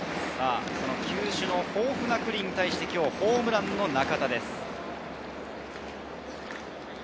球種の豊富な九里に対して、今日ホームランの中田です。